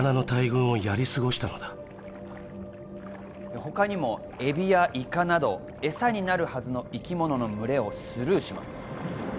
他にもエビやイカなど、餌になるはずの生き物の群れをスルーします。